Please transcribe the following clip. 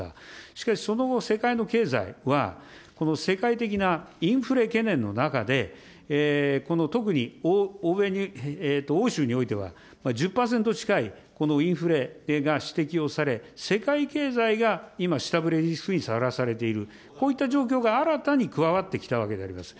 しかし、その後、世界の経済は、この世界的なインフレ懸念の中で、この特に、欧州においては、１０％近いインフレが指摘をされ、世界経済が今、下振れリスクにさらされている、こういった状況が新たに加わってきたわけであります。